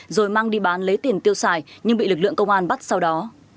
rồi mang đi bán lấy tiền tiêu xài nhưng bị lực lượng công an bắt sau đó